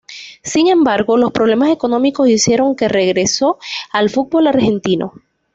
Sin embargo, los problemas económicos hicieron que regresó al fútbol argentino.